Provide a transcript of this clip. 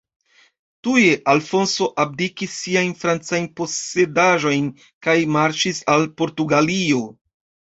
Tuje Alfonso abdikis siajn francajn posedaĵojn kaj marŝis al Portugalio.